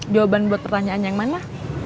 jawaban buat pertanyaan yang mana